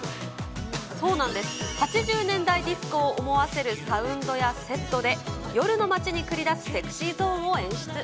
そうなんです、８０年代ディスコを思わせるサウンドやセットで、夜の街に繰り出すＳｅｘｙＺｏｎｅを演出。